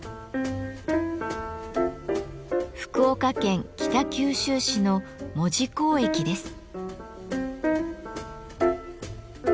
福岡県北九州市の門司港駅です。